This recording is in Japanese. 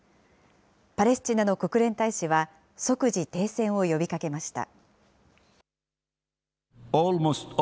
パレスチナの国連大使は即時停戦を呼びかけました。